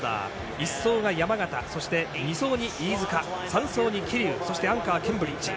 １走が山縣、そして２走に飯塚３走に桐生アンカーにケンブリッジ